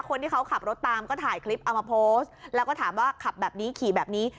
คนที่เขาขับรถตามก็ถ่ายคลิปเอามาโพสต์แล้วก็ถามว่าขับแบบนี้ขี่แบบนี้